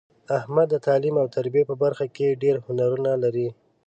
احمد د تعلیم او تربیې په برخه کې ډېر هنرونه لري.